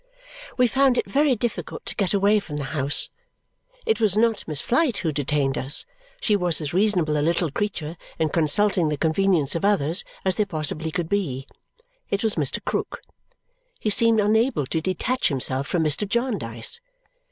We found it very difficult to get away from the house. It was not Miss Flite who detained us; she was as reasonable a little creature in consulting the convenience of others as there possibly could be. It was Mr. Krook. He seemed unable to detach himself from Mr. Jarndyce.